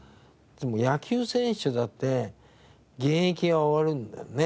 野球選手だって現役が終わるんだよね